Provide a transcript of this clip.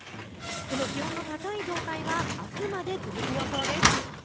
この気温の高い状態はあすまで続く予想です。